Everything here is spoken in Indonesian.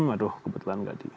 aduh kebetulan nggak